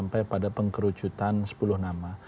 pengkerucutan sepuluh nama